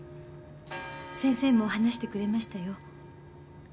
先生も話してくれましたよ。